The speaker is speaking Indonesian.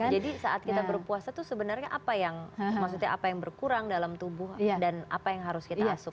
jadi saat kita berpuasa itu sebenarnya apa yang berkurang dalam tubuh dan apa yang harus kita asuk